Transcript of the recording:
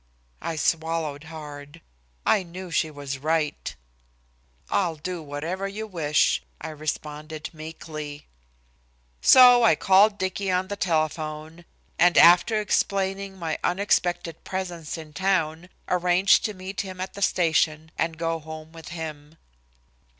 I swallowed hard. I knew she was right. "I'll do whatever you wish," I responded meekly. So I called Dicky on the telephone, and after explaining my unexpected presence in town, arranged to meet him at the station and go home with him.